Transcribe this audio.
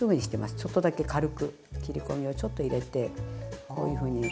ちょっとだけ軽く切り込みをちょっと入れてこういうふうに。